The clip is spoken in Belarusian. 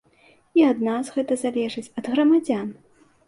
І ад нас гэта залежыць, ад грамадзян.